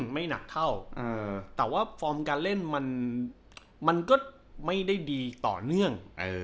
ไม่หนักเท่าแต่ว่าฟอร์มการเล่นมันก็ไม่ได้ดีต่อเนื่อง